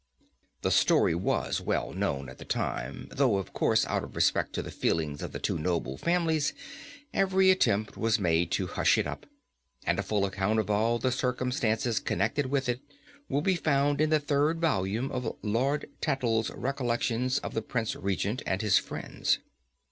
The story was well known at the time, though, of course, out of respect to the feelings of the two noble families, every attempt was made to hush it up, and a full account of all the circumstances connected with it will be found in the third volume of Lord Tattle's Recollections of the Prince Regent and his Friends.